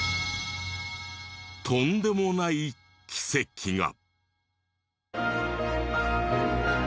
とんでもない奇跡が。